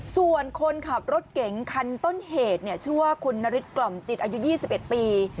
ส่วนคนขับรถเก๋งคันต้นเหตุชื่อว่าคุณนฤทธกล่อมจิตอายุ๒๑ปี